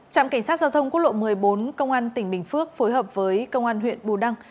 trạm cảnh sát giao thông quốc lộ một mươi bốn công an tỉnh bình phước phối hợp với công an huyện bù đăng